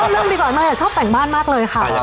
เรื่องดีกว่าเนยชอบแต่งบ้านมากเลยค่ะ